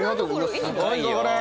すごいぞこれ！